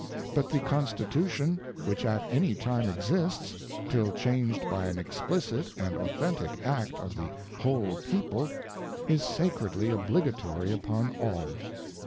ŌĆö But the constitution which at any time exists, 'till changed by an ex plicit and authentic act of the whole People, is sacredly obligatory upon all.